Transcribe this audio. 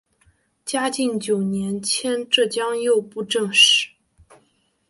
嘉靖九年迁浙江右布政使。